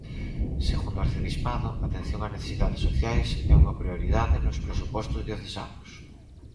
Segundo o arcebispado, atención ás necesidades sociais é unha prioridade nos presupostos diocesanos.